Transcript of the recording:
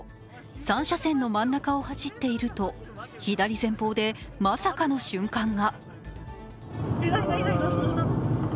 ３車線の真ん中を走っていると左前方でまさかの瞬間が。